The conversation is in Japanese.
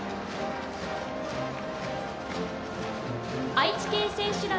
愛知県選手団。